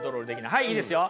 はいいいですよ。